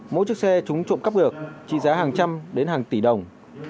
mỗi chiếc xe chúng trộm cắp được trị giá hàng trăm đến hàng tỷ đồng